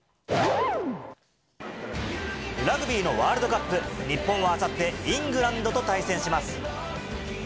ラグビーのワールドカップ、日本はあさって、イングランドと対戦します。